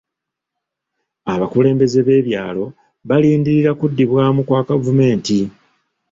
Abakulembeze b'ebyalo balindirira kuddibwamu kwa gavumenti.